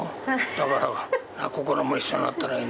だから心も一緒になったらいい。